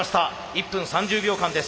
１分３０秒間です。